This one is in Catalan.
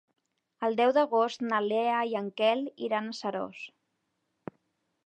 El deu d'agost na Lea i en Quel iran a Seròs.